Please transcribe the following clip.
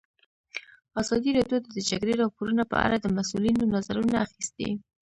ازادي راډیو د د جګړې راپورونه په اړه د مسؤلینو نظرونه اخیستي.